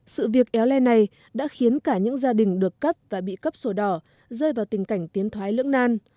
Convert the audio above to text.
sự việc éo le này đã khiến cả những gia đình được cấp và bị cấp sổ đỏ rơi vào tình cảnh tiến thoái lưỡng nan